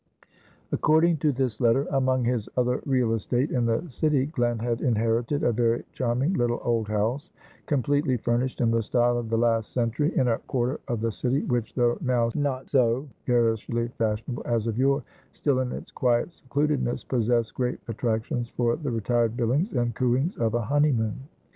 According to this letter, among his other real estate in the city, Glen had inherited a very charming, little, old house, completely furnished in the style of the last century, in a quarter of the city which, though now not so garishly fashionable as of yore, still in its quiet secludedness, possessed great attractions for the retired billings and cooings of a honeymoon.